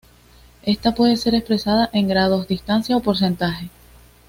Esta puede ser expresada en grados, distancia o porcentaje.